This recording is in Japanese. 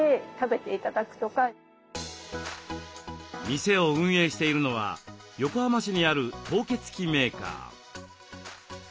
店を運営しているのは横浜市にある凍結機メーカー。